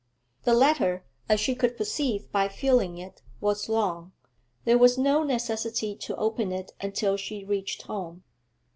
The letter, as she could perceive by feeling it, was long; there was no necessity to open it until she reached home.